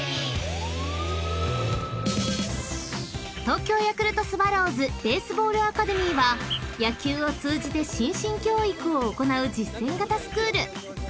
［東京ヤクルトスワローズベースボールアカデミーは野球を通じて心身教育を行う実践型スクール］